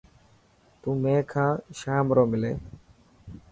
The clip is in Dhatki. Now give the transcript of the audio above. تون مين کان شام رو ملي.